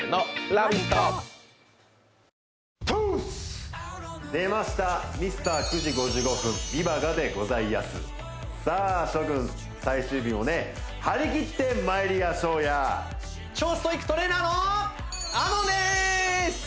トゥース！出ましたミスター９時５５分美バガでございやすさあ諸君最終日もね張り切ってまいりやしょうや超ストイックトレーナーのＡＭＯＮでーす！